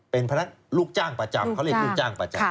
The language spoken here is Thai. เป็นลูกจ้างประจำ